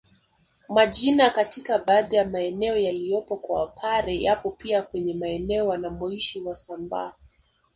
Majina katika baadhi ya maeneo yaliyopo kwa Wapare yapo pia kwenye maeneo wanamoishi wasambaa